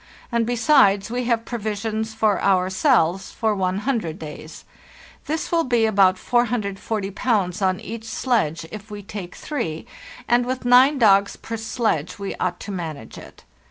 And, besides, we have provisions for ourselves for one hundred days. This will be about 440 pounds on each sledge if we take three, and with nine dogs per sledge we ought to manage it."